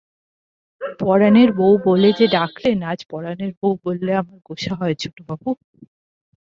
পরাণের বৌ বলে যে ডাকলেন আজ পরাণের বৌ বললে, আমার গোসা হয় ছোটবাবু।